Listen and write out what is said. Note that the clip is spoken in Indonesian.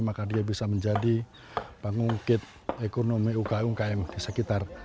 maka dia bisa menjadi pangungkit ekonomi ukum km di sekitar